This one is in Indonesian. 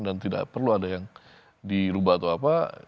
dan tidak perlu ada yang dilubah atau apa